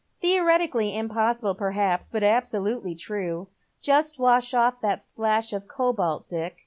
"Theoretically impossible, perhaps, but absolutely true. Just wash off that splash of cobalt, Dick.